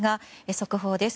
速報です。